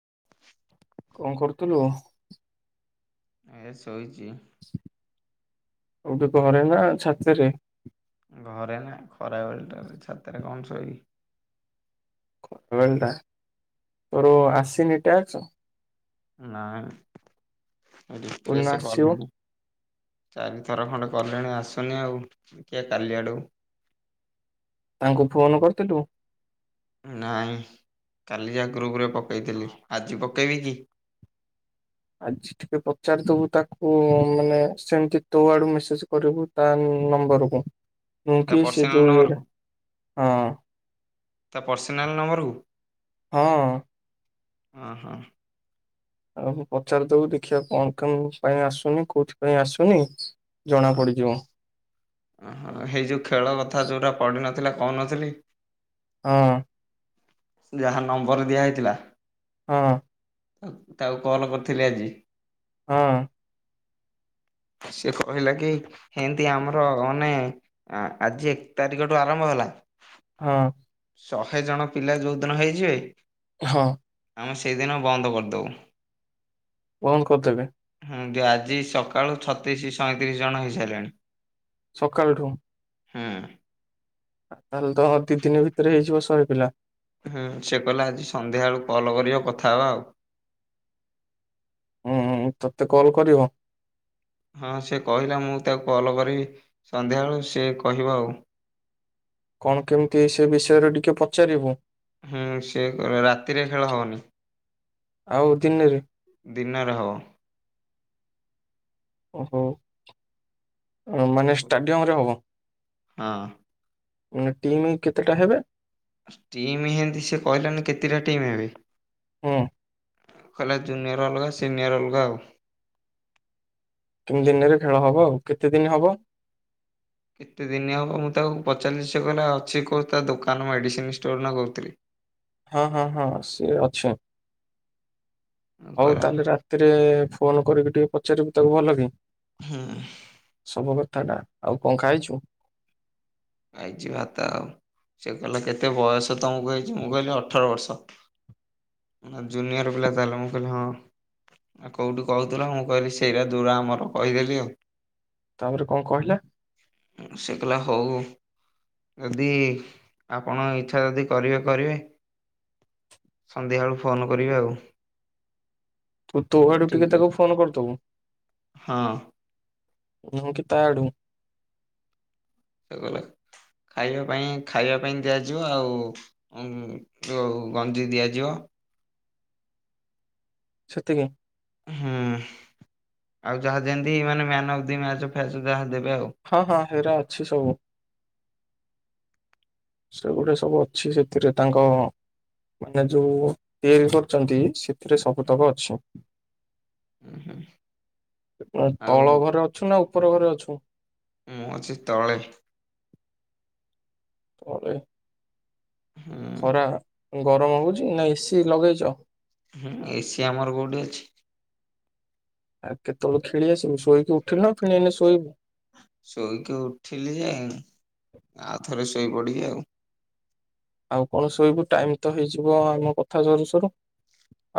[unintelligible] କଣ କରୁଥିଲୁ। ଏ ଶୋଇଛି। କୋଉଠି ଘରେ ନା ଛାତରେ। ଘରେ ନା ଖରା ବେଳଟା ଛାତରେ କଣ ଶୋଇିଵି। େଲ ଟା [inaudible] ତୋର ଆସିନି ଟାସ୍କ୍। ନା। କୋଉଦିନ ରିଫ୍ରେସ ଆସିବ କଲ କ ଚା [unintelligible] ଥରେ ଖଣ୍ଡେ କଲେଣି ଆସୁନି ଆଉ ଦେ କିଏ କାଲି ଆଡକୁ। ତାଙ୍କୁ ଫୋନ କରିଥିଲୁ। ନାଇଁ କାଲି ଯା ଗ୍ରୁପରେ ପକେଇଥିଲି ଆଜି ପକେଇବି କି। ଆଜି ଟିକେ ପଚାରିଦବୁ ତାକୁ ମାନେ ସେମିତି ତୋ ଆଡୁ ମେସେଜ କରିବୁ ତା ନମ୍ବରକୁ। ମୁଁ ତା କିଛି [inaudible] ପର୍ସନାଲ ଯରେ ନମ୍ବରକୁ [inaudible] ହଁ ତା ପର୍ସନାଲ ହଁ। ହଁ ହଁ। ଆଉ ପଚାରି ଦବ ଦେଖିବା କଣ କଣ ପାଇଁ ଆସୁନି କୋଉଥି ପାଇଁ ଆସୁନି। ଜଣା ପଡିଯିବ। ଓହୋ ଏଇ ଯୋଉ ଖେଳ କଥା ଯୋଉଟା ପଢ। ନଥିଲା କହୁ ନଥିଲି। ହଁ। ଯାହା ନମ୍ବର ଦିଆ ହୋଇଥିଲା। ହଁ। ତାକୁ କଲ କରିଥିଲି ଆଜି। ହଁ। ସେ କହିଲା କି ଏମତି ଆମର ମାନେ ଆଜି ଏକ ତାରିଖଠୁ ଆରମ୍ଭ ହେଲା। ହଁ। ଶହେ ଜଣ। ପିଲା ଯୋଉ ଦିନ ହେଇଯିବେ। ହଁ। ଆମେ ସେଇଦିନ ବନ୍ଦ କରିଦେବୁ। ବନ୍ଦ୍ କରିଦେବେ। ହଁ ଦିଅ ଆଜି ସକାଳୁ ଛତିଶ ସଇଁତିରିଶ ଜଣ ହେଇସାରିଲେଣି। ସକାଳ ଠୁଁ। ହୁଁ ତାହେଲେ ଅ ଦି ଦିନ ଭିତରେ ହେଇଯିବ ଶହେ ପିଲା। ହୁଁ ସେ କହିଲେ ଆଜି ସନ୍ଧ୍ୟା ବେଳୁକୁ କଲ୍ କର କଥା ହବା ଆଉ। ହୁଁ ହୁଁ ତତେ କଲ୍ କରିବ? ହଁ ସେ କହିଲା ମୁଁ ତାକୁ କଲ କରିବି ସନ୍ଧ୍ୟାବେଳ ସେ କହିବ ଆଉ। କଣ କେମିତି ସେ ବିଷୟରେ ଟିକେ ପଚାରିବୁ। ହୁଁ ସେ ରା ରାତିରେ ଖେଳ ହବନି, ଆଉ ଦିନରେ [inaudible] ଦିନରେ ହବ। ଓ ହଁ ମାନେ ଷ୍ଟାଡିୟମରେ ହବ। ହଁ ମି ଟିମ କେତେଟା ହେବେ? ଟିମ ହେନ୍ତି ସେ କହିଲାନି କେତେଟା ଟିମ୍ ହେବ? ହୁଁ। କହିଲା ଜୁନିୟର ଅଲଗା ସିନିୟର ଅଲଗା ଆଉ। କିନ୍ତୁ ଦିନରେ ଖେଳ ହବ, ଆଉ କେତେ ଦିନ ହବ? କେତେ ଦିନ ହେବ ମୁଁ ତାକୁ ପଚାରି ସେ କହିଲା ଅଛି କେ ତା ଦୋକାନ ମେଡିସିନ ଷ୍ଟୋର ନ କହୁଥିଲି। ହଁ ହଁ ହଁ ସେ ଅଛୁ। ହଉ କହିଲା ତାହେଲେ ରାତିରେ ଫୋନ କରିକି ଟିକେ ପଚାରିବୁ ତାକୁ ଭଲ କି ହୁଁ ସବୁ କ୍। ଥାଟା ଆଉ କଣ ଖାଇଚୁ? ଖାଇଚି ଭାତ ଆଉ, ସେ କହିଲ କେତେ ବୟସ? ତମକୁ ହେଇଚି ମୁଁ କହିଲି ଅଠର ବର୍ଷ। ଜୁନିୟର ପିଲା ତାହେଲେ ମୁଁ କହିଲି ହଁ କୋଉଠି କହୁଥିଲ, ମୁଁ କହିଲି ସେରା ଦୁରା ଆମର କହିଦେଲି ଆଉ। ତାପରେ କଣ କହିଲା? ସେ କହିଲା ହୋଉ। ଯଦି ଆପଣ ଇଚ୍ଛା ଯଦି କରିବେ କରିବେ, ସନ୍ଧ୍ୟାବେଳୁ ଫୋନ କରିବେ ଆଉ। ତୁ ତୋ କହିଲି ଆଡୁ ଠିକ୍ ଟିକେ ଅଛି। ତାକୁ ଫୋନ କରିଦବୁ। ହଁ। ମୁଁ କି ତାଆଡୁ। ସେ କହିଲା ଖାଇବା ପାଇଁ ଖାଇବା ପାଇଁ ଦିଆଯିବ, ଆଉଉ ଗଞ୍ଜି ଦିଆଯିବ। ସେତିକି। ହୁଁ ଆଉ ଯାହା ଯେମିତି ମାନେ ଅଫ ଦି ମ୍ୟାଚ ଫେ ଯାହା ଦେ ହଁ ହଁ ହେରା ଅଛି ସବୁ। ସେଗୁଡା ସବୁ ଅଛି ସେଥିରେ ତାଙ୍କ ମାନେ ଯୋଉ ତିଆରି କରିଛନ୍ତି, ସେଥିରେ ସବୁତକ ଅଛି। ହୁଁ ହୁଁ। [inaudible] ଣ ଆଉ ତଳ ଘରେ ଅଛୁ ନା ଉ ଉପର ଘରେ ଅଛୁ ତ୍ ମୁଁ ଅଛି ତଳେ। ତଳେ। ହୁଁ ଖରା ଗରମ ହଉଛି ନା ଏସିି ଲଗେଇଚ ହୁଁ ଏସି ଆମର କୋଉଠି ଅଛି। ଆଉ କେତେବେଳେ ଖେଳି ଆସିବୁ ଶୋଇକି ଉଠିଲୁ ନା ଫୁଣୀଏହିନୀ ଶୋଇବୁ ଶୋଇକି ଉଠିଲି ଯେ ଆଉଥରେ ଶୋ ଇ ପଡିବି ଆଉ ଆଉ କଣ ଶୋଇବୁ ଟାଇମ ତ ହେଇଯିବ ଆମ କଥା ସରୁ ସରୁ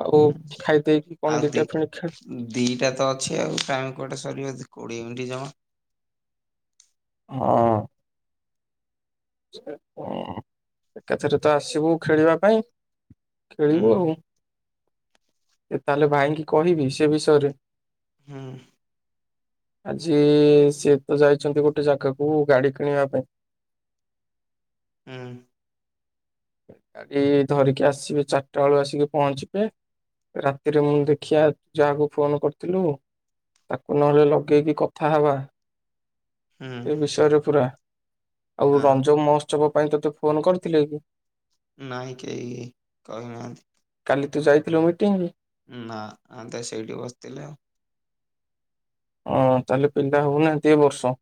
ଆଉ ହୁଁ ଖାଇଦେଇକି କଣ ଆଉ ଦିଟା ଦି ଫେଣି ଖେଳ ଦିଟା ତ ଅଛି ଆଉ ଟାଇମ କୁଆଡେ ସରିବ କୋଡ଼ିଏ ମିନିଟ ଜମା ହଁ ସେ କଣ ଏକାଥରେ ତ ଆସିବୁ ଖେଳିବା ପାଇଁ ହୁଁ ଖେଳିବୁ ଆଉ ଏ ତାହେଲେ ଭାଇଙ୍କି କହିବି ସେ ବିଷୟରେ ହୁଁ ଆଜି ସିଏ ତ ଯାଇଛନ୍ତି ଗୋଟେ ଜାଗାକୁ ଗାଡି କିଣିବା ପାଇଁ ହୁଁ ଗାଡି ଧରିକି ଆସିବେ ଚାରିଟା ବେଳୁ ଆସିକି ପହଞ୍ଚିବେ ରାତିରେ ମୁଁ ଦେଖିବା ଯାହାକୁ ଫୋନ କରିଥିଲୁ ତାକୁ ନହେଲେ ଲଗେଇକି କଥା ହବା ହୁଁ ସେ ବିଷୟରେ ପୁରା ଆଉ ହଁ ରଞ୍ଜ ମହୋତ୍ସବ ପାଇଁ ତତେ ଫୋନ କରିଥିଲେ କି? ନାଇଁ କେହି କହିନାହାନ୍ତି। କାଲି ତୁ ଯାଇଥିଲୁ ମିଟିଂ ନା ଆମେ ତ ସେଇଠି ବସିଥିଲେ ଆଉ। ହଁ ତାହେଲେ ପିଲା ହଉ ନାହାନ୍ତି ଏ ବର୍ଷ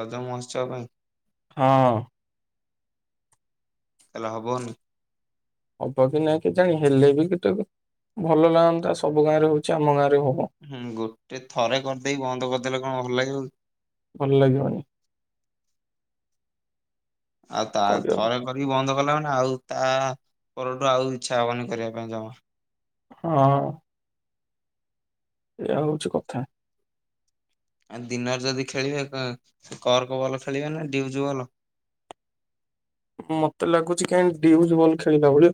ରଜ ମହୋତ୍ସବ ପାଇଁ ହଁ ତାହାଲେ ହବନି ହବ କି ନାଇଁ କେଜାଣି ହେଲେ ବି କେତେ ଭଲ ଲାଗନ୍ତା ସବୁ ଗାଁ ରେ ହଉଛି ଆମ ଗାଁରେ ହୁଁ ଗୋଟେ ଥରେ କରି ଦେଇ ବନ୍ଦ କରି ଦେଲେ କଣ ଭଲ ଲାଗିବ କି? ଭଲ ଲାଗିବନି ଆଉ ତା କରିବାକୁ ଥରେ କରିକି ବନ୍ଦ କଲା ମାନେ ଆଉ ତା ପରଠୁ ଆଉ ଇଚ୍ଛା ହବନି କରିଆ ପାଇଁ ଜମା ହଁ ଏଇଆ ହଉଛି କଥା ଆଉ ଦିନରେ ଯଦି ଖେଳିବେ ଏଁ କର୍କ ବଲ ଖେଳିବେ ନା ଡିଉଜୁ ବଲ ମତେ ଲାଗୁଛି କାହିଁ ଡିଉଜ ବଲ ଖେଳିଲା ଭଳିଆ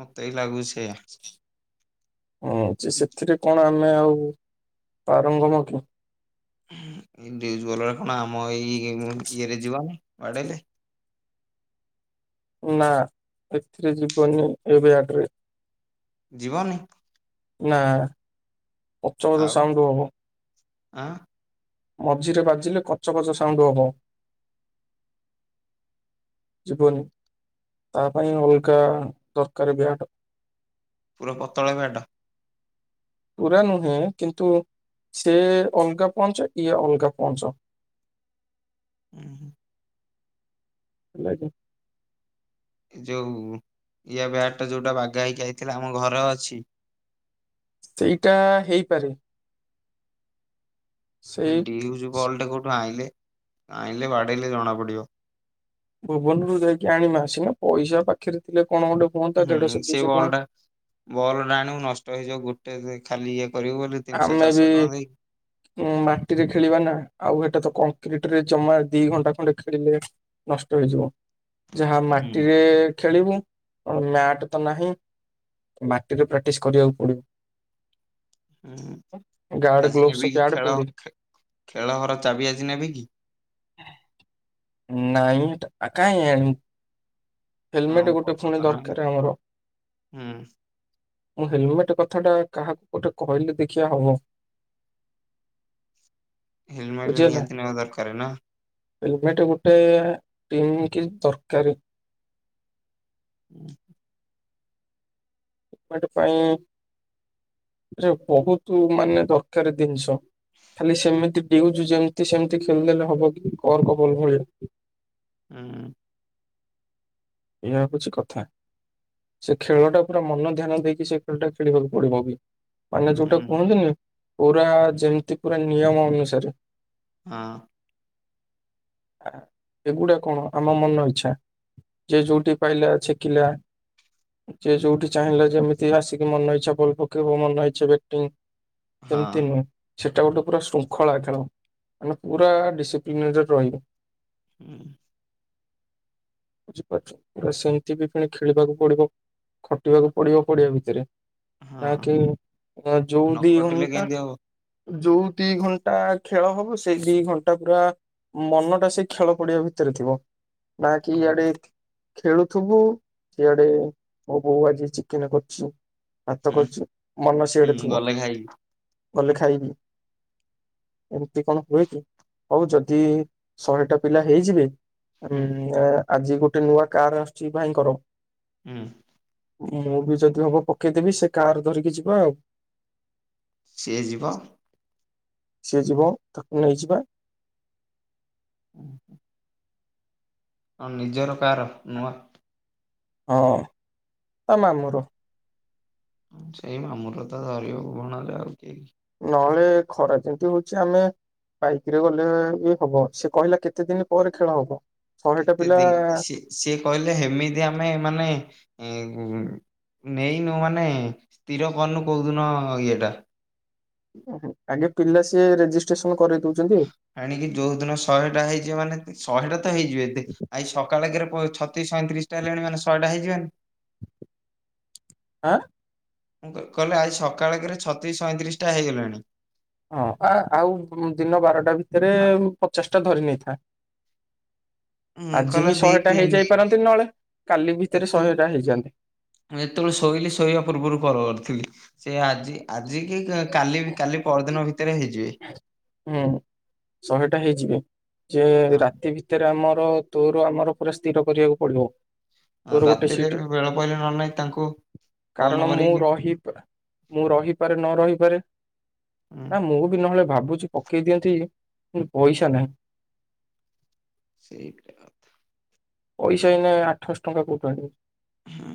ମତେ ବି ଲାଗୁଛି। ସେଇଆ। ଛି ହଁ ଅଛି ସେଥିରେ କଣ? ଆମେ ଆଉ ପାରଙ୍ଗମ କି? ଡିଉଜ ବଲ ଏ କଣ ଆମ ଏଇ ଉଁ ଇଏରେ ଯିବ ନି ବାଡ଼େଇଲେ ନା ଏଥିରେ ଯିବନି ଏ ବ୍ୟାଟରେ ଯିବନି ନା ପଚ ପଚ ଆଉ ସାଉଣ୍ଡ ହବ ଆଁ ମଝିରେ ବାଜିଲେ କଚ କଚ ସାଉଣ୍ଡ ହବ ଯିବନି ତା ପାଇଁ ଅଲଗା ଦରକାର ବିରାଟ ପୁରା ପତଳ ବଡ ପୁରା ନୁହେଁ କିନ୍ତୁ ସେ ଅଲଗା ପହଞ୍ଚ ଇଏ ଅଲଗା ପହଞ୍ଚ ହୁଁ ହୁଁ ଆଜ୍ଞା ଯୋଉ ଇ ବ୍ୟାଟ ଟା ଯୋଉଟା ବାଘା ହେଇକି ଯାଇଥିଲା ଆମ ଘର ଅଛି। ସେଇଟା ହେଇପାରେ। ସେଇ ଡିଉ ବଲ୍ଟେ କୋଉଠୁ ଆଇେ ଆଇିଲ ବାଡ଼ିଲ ଜଣ ପଡ଼ିବ ଭୁବନରୁ ଯାଇକି ଆଣିବା ସିନା ପଇସା ପାଖରେ ଥିଲେ। କଣ ଗୋଟେ ହୁଅନ୍ତା ହୁଁ ଦେଢଶହ ସେ ଦୁଇଶହ ବଲ ଟା ଟଙ୍କା ବଲ୍ ଟା ଆଣିବୁ ନଷ୍ଟ ହେଇଯାଉ ଗୋଟେ ଖାଲି ଏକ ଆମେ ବି ମାଟିରେ ଖେଳିବା ନା ଆଉ ଏଟା ତ କଂକ୍ରିଟ ରେ ଚମା ଦି ଘଣ୍ଟା ଖଣ୍ଡେ ଖେଳିଲେ ନଷ୍ଟ ହେଇଯିବ। ଯାହା ହୁଁ ମାଟିରେ ଖେଳିବୁ ମ୍ୟାଟ ତ ନାହିଁ ମାଟିରେ ପ୍ରାକ୍ଟିସ କରିବାକୁ ପଡିବ। ହୁଁ ଗାର୍ଡ ଆଜି ଗ୍ଲୋଭସ ନେବି କି ପ୍ୟାଡ ଖେଳ ପିନ୍ଧିକି ଖେଳ ହର ଚାବି ଆଜି ନେବ କି? ନାଇ କାଇଁ ଆ ହେଲମେଟ ହଁ ଗୋଟେ ଭଲ ପୁଣି ତ ନାହିଁ। ଦରକାର ଆମର। ହୁଁ ମୁଁ ହେଲମେଟ କଥା ଟା କାହାକୁ ଗୋଟେ କହିଲେ ଦେଖିବା ହବ। ହେଲମେଟ ନିହାତି ନେବା ଦରକାର ନା। ହେଲ୍ମେଟ ଗୋଟେ ଟିମ କି ଦରକାର। ହୁଁ ଟ ପାଇଁ ବହୁତ ମାନେ ଦରକାର ଜିନିଷ ଖାଲି ସେମିତି ଉଜୁ ଯେମିତି ସେମିତି ଖେଳିଦେଲେ ହବ କି କରର୍କବଲ ଭଳିଆ ହୁଁ ଏହାଇ ହଉଛି କଥା ସେ ଖେଳ ଟା ପୁରା ମନ ଧ୍ୟାନ ଦେଇକି ସେ ଖେଳଟା ଖେଳିବାକୁ ପଡିବ ବି ମାନେ ଯୋଉଟା ହୁଁ, କୁହନ୍ତୁନି ପୁରା ଯେମିତି ପୁରା ନିୟମ ଅନୁସାରେ। ହଁ ଏଗୁଡା କଣ ଆମ ମନର ଇଚ୍ଛା ଯିଏ ଯୋଉଠି ପାଇଲା ଛେକିଲା। ଯିଏ ଯୋଉଠି ଚାହିଁଲା ଯେମିତି ଆସିକି ମନ ଇଚ୍ଛା ଭଲ ପକୀବ ମନ ଇଚ୍ଛା ବଟିଂ ହଁ ଏମତି ସେଇଟା ଗୋଟେ ପୁରା ଶୃଙ୍ଖଳା ଖେଳ ତେଣୁ ଆମେ ପୁରା ଡିସିପ୍ଲିନରେ ରହିବୁ। ହୁଁ [inaudible] ପା ସେମିତି ବି ପଣି ଖେଳିବାକୁ ପଡିବ ଖଟିବାକୁ ପଡିବ ପଡିଆ ଭିତରେ। ହଁ। ନାକି ନ ଯଉଦି ଖଟିଲେ ହନ୍ଟା କେମିତି ହବ? ଯୋଉ ଦି ଘଣ୍ଟା ଖେଳ ହବ ସେଇ ଦି ଘଣ୍ଟା ପୁରା ମନଟା ସେ ଖେଳ ପଡ଼ିଆ ଭିତରେ ଥିବ। ବାକି ଆଡ଼େ ହୁଁ ଖେଳୁଥିବୁ ଇଆଡ଼େ ମୋ ବୋଉ ଆଜି ଚିକେନ କରିଛି ଭାତ ହୁଁ କରିଛି ମନ ସିଆଡ଼େ ହୁଁ, ଥିବ। ଗଲେ ଖାଇବି। ଗଲେ ଖାଇବି ଏମିତି କଣ ହୁଏ କି? ହଉ ଯଦି ଶହେଟା ପିଲା ହେଇଯିବେ ହୁଁ ଆଜି ଗୋଟେ ଗୋଟେ ନୂଆ କାର ଆସୁଛି ଭାଇଙ୍କର ହୁଁ ମୁଁ ବି ଯଦି ହବ ପକେଇଦେବି ସେ କାର ଧରିକି ଯିବା ଆଉ। ସିଏ ଯିବ? ସିଏ ଯିବ ତାକୁ ନେଇଯିବା। ହୁଁ ହୁଁ। ମ ଆଉ ନିଜର କାର ନୁହଁ। ହଁ ହଁ ତା ମାମୁଁର। ସେଇ ମାମୁଁର ତ ଧରିବାକୁ ଭଣଜା ଆଉ କିଏ କି? ନହେଲେ ଖରା ଯେମିତି ହଉଛି ଆମେ ବାଇକରେ ଗଲେ ବି ହବ ସେ କହିଲା କେତେ ଦିନ ପରେ ଖେଳ ହବ? ଶହେଟା କେତେ ପିଲା ଦିନ ସେ ସିଏ କହିଲେ ହେମିତି ଆମେ ମାନେ ନେଇନୁ ମାନେ ସ୍ଥିର କରିନୁ କୋଉଦିନ ଇଏଟା ଆଜ୍ଞା ପିଲା ସିଏ ରେଜିଷ୍ଟ୍ରେସନ କରି ଆଣିକି ଯୋଉ ଦିନ ଶହେ ଟା ହେଇଛି ମାନେ ଶହେ ଟା ତ ହେଇଯିବେ ଏବେ ଆଜି ସକାଳେ କେରେ ଛତିଶ ସଇଁତିରିଶ ଟା ହେଲେଣି ମାନେ ଶହେ ଟା ହେଇଯିବାନି ଆଁ ମୁଁ କହିଲି କହିଲେ ଆଜି ସକାଳେକେରେ ଛତିଶ ସଇଁତିରିଶଟା ହେଇଗଲାଣି। ହଁ ଆ ଆଉ ଦିନ ବାରଟା ଭିତରେ ପଚାଶ ଟା ଧରି ନେଇଥା ମୁଁ ଆଜି ହିଁ ଶହେଟା ହେଇଯାଇ ପାରନ୍ତିନି ନହେଲେ କାଲି ଭିତରେ କିନ୍ତୁ ଶହେଟା ହେଇଯାଆନ୍ତି ମୁଁ ଯେତେବେଳେ ଶୋଇଲି ଶୋଇବା ପୂର୍ବରୁ କଲ୍ କରିଥିଲି ସେ ଆଜି ଆଜି କି କାଲି କାଲି ପର ଦିନ ଭିତରେ ହେଇଯିବେ। ହୁଁ ଶହେଟା ହେଇଯିବେ। ତୋରୁ ଆମର ପୁରା ସ୍ଥିର କରିବାକୁ ପଡ଼ିବ ରାତିରେ ବେଳ ପଇଲେ ନହେଲେ ନାହିଁ ତାଙ୍କୁ କାରଣ ଫୋନ ମୁଁ କରିକି ରହି ମୁଁ ରହିପାରେ ନ ରହିପାରେ, ହୁଁ ନା ମୁଁ ବି ନହେଲେ ଭାବୁ ଭାବୁଛିୁ ପକେଇ ଦିଅନ୍ତି କିନ୍ତୁ ପଇସା ନାହିଁ। ସେଇଥିପାଇଁ ଭାବ ପଇସା ଏଇନେ ଆଠଶହ ଟଙ୍କା କୋଉଠୁ ଆଣିବ ହୁଁ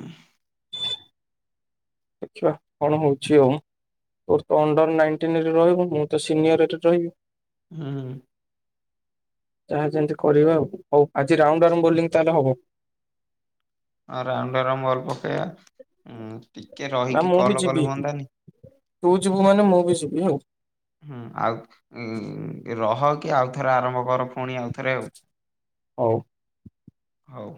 ଦେଖିବା କଣ ହଉଛି ଆଉ, ତୋର ତ ଅଣ୍ଡର ନାଇନଟିନରେ ରହିବୁ ମୁଁ ତ ସିନିୟରରେ ରହିବି। ହୁଁ ଯହା ଯେମିତି କରିବା ହଉ ଆଜି ରାଉଣ୍ଡ ଆଉ ବୋଲିଂ ତାହେଲେ ହବ। ଆ ରାଉଣ୍ଡରା ମୋର ପକୋଇ ଆ ଉଁ ଟିକେ ନା ରହିକି ମୁଁ ବି କଲ ଯିବି କଲେ ହୁଅନ୍ତାନି ତୁ ଯିବୁ ମାନେ ମୁଁ ବି ଯିବି ହେଲା। ହୁଁ ଆଉ ରହ କି ଆଉ ଥରେ ଆରମ୍ଭ କର ପୁଣି ଆଉଥରେ ଆଉ ହଉ ହଉ